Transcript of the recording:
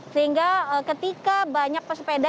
sehingga ketika banyak pesepeda